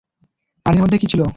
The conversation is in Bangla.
পানির মধ্যে কি ছিল?